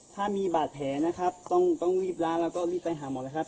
ถ้ามีบาดแผลนะครับต้องรีบล้างแล้วก็รีบไปหาหมอแล้วครับ